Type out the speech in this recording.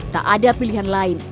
tak ada pilihan lain